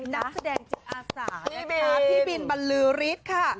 นักแสดงจินอาสานะคะพี่บินบรรลือริสค่ะ